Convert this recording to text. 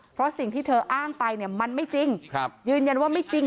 เพราะสิ่งที่เธออ้างไปเนี่ยมันไม่จริงยืนยันว่าไม่จริง